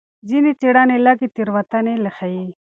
ځینې څېړنې لږې تېروتنې ښيي.